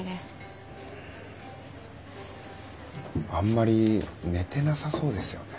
あんまり寝てなさそうですよね。